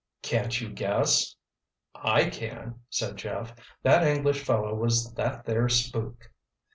"Can't you guess?" "I can," said Jeff. "That English fellow was that there 'spook.